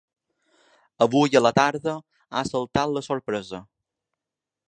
Avui a la tarda ha saltat la sorpresa.